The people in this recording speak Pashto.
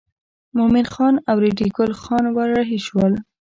مومن خان او ریډي ګل خان ور رهي شول.